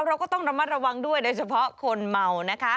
เราก็ต้องระมัดระวังด้วยโดยเฉพาะคนเมานะคะ